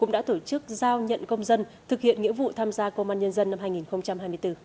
đã tổ chức giao nhận công dân thực hiện nghĩa vụ tham gia công an nhân dân năm hai nghìn hai mươi bốn